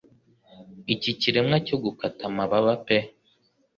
Iki kiremwa cyo gukata amababa pe